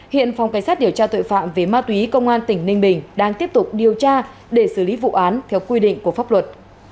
hiện phòng cảnh sát điều tra tội phạm về ma túy công an tỉnh ninh bình đang tiếp tục điều tra để xử lý vụ án theo quy định của pháp luật